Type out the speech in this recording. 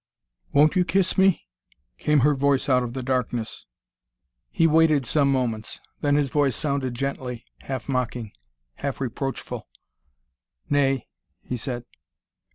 "Won't you kiss me?" came her voice out of the darkness. He waited some moments, then his voice sounded gently, half mocking, half reproachful. "Nay!" he said.